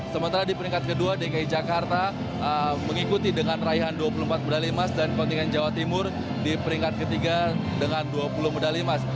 sementara di peringkat kedua dki jakarta mengikuti dengan raihan dua puluh empat medali emas dan kontingen jawa timur di peringkat ketiga dengan dua puluh medali emas